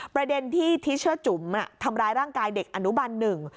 ประเด็นที่ทิเชอร์จุ๋มทำร้ายร่างกายเด็กอนุบันหนึ่ง